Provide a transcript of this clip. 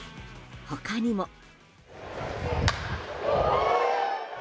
他にも。